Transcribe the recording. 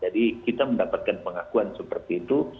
jadi kita mendapatkan pengakuan seperti itu